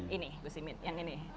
ini gus imin yang ini